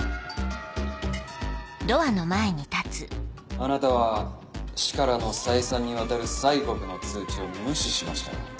あなたは市からの再三にわたる催告の通知を無視しました。